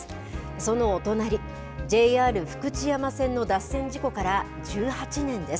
そのお隣、ＪＲ福知山線の脱線事故から１８年です。